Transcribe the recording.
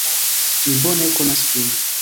Mi bone konas Vin!